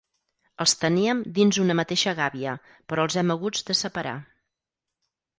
Els teníem dins una mateixa gàbia, però els hem haguts de separar.